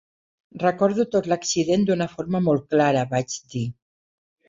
"Recordo tot l"accident d"una forma molt clara", vaig dir